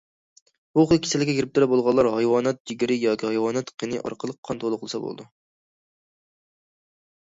بۇ خىل كېسەلگە گىرىپتار بولغانلار ھايۋانات جىگىرى ياكى ھايۋانات قېنى ئارقىلىق قان تولۇقلىسا بولىدۇ.